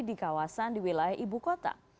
di kawasan di wilayah ibu kota